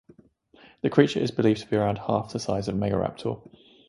The creature is believed to be around half the size of "Megaraptor".